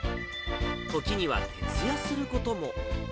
時には徹夜することも。